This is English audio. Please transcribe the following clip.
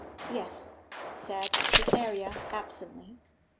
'Yes,' said Cytherea absently.